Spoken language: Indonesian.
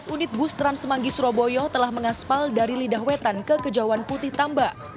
dua belas unit bus trans semanggi surabaya telah mengaspal dari lidah wetan ke kejauhan putih tambak